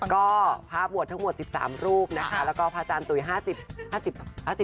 ก็พาบวชทั้งหมด๑๓รูปนะคะแล้วก็พาจารย์ตุ๋ย๕๐ปีนะคะ